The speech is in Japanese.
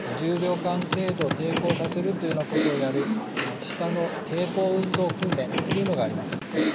１０秒間程度抵抗させるというようなことをやる舌の抵抗運動訓練というのがあります。